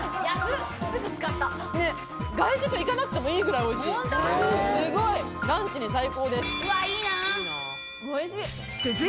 外食行かなくてもいいくらいおいしい！